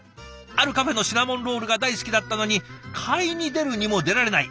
あるカフェのシナモンロールが大好きだったのに買いに出るにも出られない